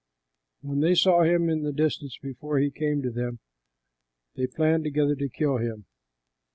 When they saw him in the distance, before he came to them, they planned together to kill him.